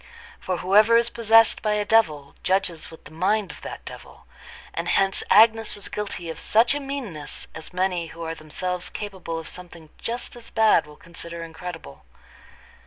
For whoever is possessed by a devil, judges with the mind of that devil; and hence Agnes was guilty of such a meanness as many who are themselves capable of something just as bad will consider incredible.